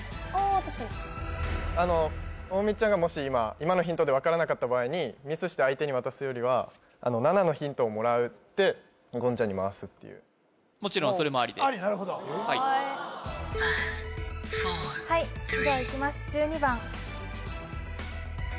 確かに大道ちゃんがもし今今のヒントで分からなかった場合にミスして相手に渡すよりは７位のヒントをもらって言ちゃんに回すっていうもちろんそれもありですありなるほどはいじゃあ１２番ああ